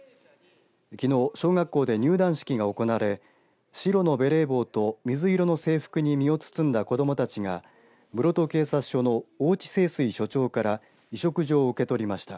きのう小学校で入団式が行われ白のベレー帽と水色の制服に身を包んだ子どもたちが室戸警察署の大地清水署長から委嘱状を受け取りました。